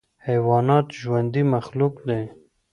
حیوانات ژوندی مخلوق دی.